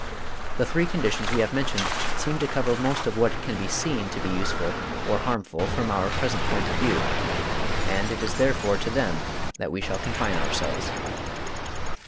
The three conditions we have mentioned seem to cover most of what can be SEEN to be useful or harmful from our present point of view, and it is therefore to them that we shall confine ourselves.